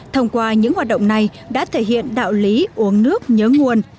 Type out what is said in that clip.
thông qua những hoạt động này đã thể hiện đạo lý uống nước nhớ nguồn